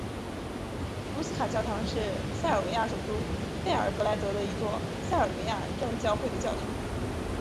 卢茨卡教堂是塞尔维亚首都贝尔格莱德的一座塞尔维亚正教会的教堂。